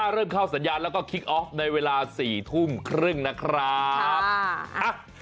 ๔๑๕เริ่มเข้าสัญญาณแล้วก็คลิกออกในเวลา๔๓๐นะครับ